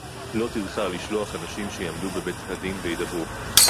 לא טרחה לשלוח אנשים שיעמדו בבית-הדין וידברו